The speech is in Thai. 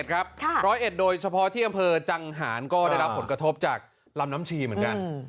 ร้อยเอ็ดโดยเฉพาะที่อำเภอจังหารก็ได้รับผลกระทบจากลำน้ำชีเหมือนกัน